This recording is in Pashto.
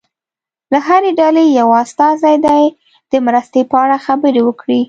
له هرې ډلې یو استازی دې د مرستې په اړه خبرې وکړي.